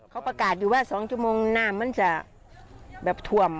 เขาประกาศอยู่ว่า๒ชั่วโมงน้ำมันจะแบบท่วม